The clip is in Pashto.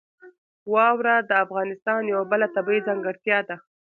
واوره د افغانستان یوه بله طبیعي ځانګړتیا ده.